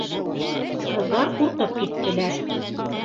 Ҡыҙҙар ҡурҡып киттеләр.